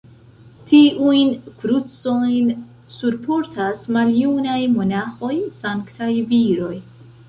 Tiujn krucojn surportas maljunaj monaĥoj, sanktaj viroj.